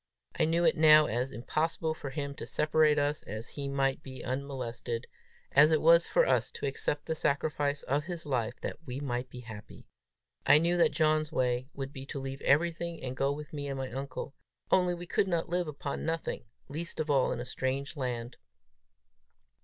I knew it now as impossible for him to separate us that he might be unmolested, as it was for us to accept the sacrifice of his life that we might be happy. I knew that John's way would be to leave everything and go with me and my uncle, only we could not live upon nothing least of all in a strange land!